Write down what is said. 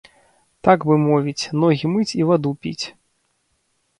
Так бы мовіць, ногі мыць і ваду піць.